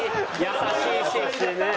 優しいね。